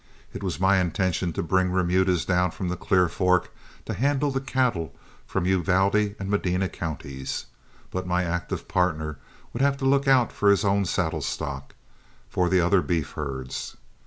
It was my intention to bring remudas down from the Clear Fork to handle the cattle from Uvalde and Medina counties, but my active partner would have to look out for his own saddle stock for the other beef herds.